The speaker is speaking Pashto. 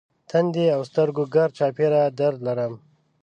تندی او سترګو ګرد چاپېره درد لرم.